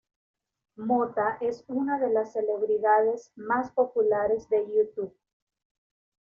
Mota es una de las celebridades más populares de YouTube.